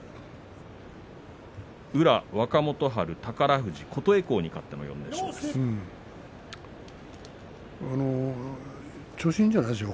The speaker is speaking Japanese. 宇良、若元春宝富士、琴恵光に勝っての４連勝です。